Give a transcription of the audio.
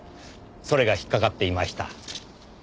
それが引っかかっていました。